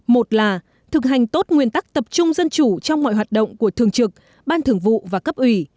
một là thực hành tốt nguyên tắc tập trung dân chủ trong mọi hoạt động của thường trực ban thường vụ và cấp ủy